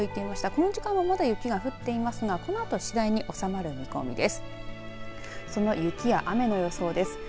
この時間帯はまだ雪が降っていますがこのあと次第に収まる見込みです。